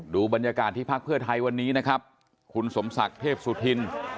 ดูบรรยากาศที่พักเพื่อไทยวันนี้นะครับคุณสมศักดิ์เทพสุธิน